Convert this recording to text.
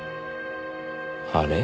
あれ？